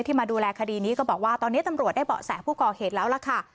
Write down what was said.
มาดูแลคดีนี้ก็บอกว่าตอนนี้ตำรวจได้เบาะแสผู้ก่อเหตุแล้วล่ะค่ะ